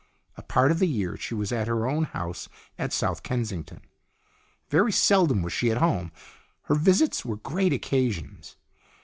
A part of the year she was at her own house at South Kensington. Very seldom was she at home. Her visits were great occasions.